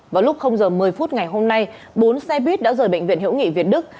vào lúc giờ một mươi phút ngày hôm nay bốn xe buýt đã rời bệnh viện hữu nghị việt đức